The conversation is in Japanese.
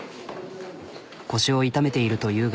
腰を痛めているというが。